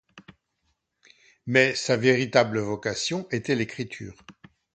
Mais sa véritable vocation était l'écriture.